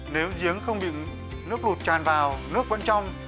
nếu giếng không bị nước lụt tràn vào nước vẫn trong